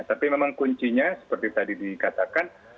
tapi memang kuncinya seperti tadi dikatakan